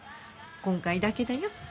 今回だけだよ。